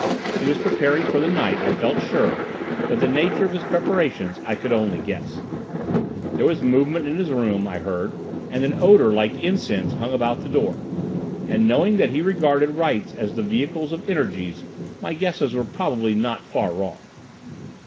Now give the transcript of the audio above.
He was preparing for the night, I felt sure, but the nature of his preparations I could only guess. There was movement in his room, I heard, and an odour like incense hung about the door, and knowing that he regarded rites as the vehicles of energies, my guesses were probably not far wrong.